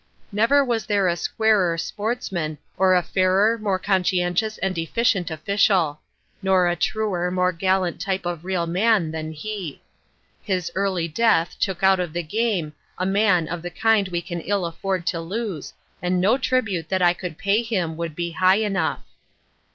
Never was there a squarer sportsman, or a fairer, more conscientious and efficient official; nor a truer, more gallant type of real man than he. His early death took out of the game a man of the kind we can ill afford to lose and no tribute that I could pay him would be high enough.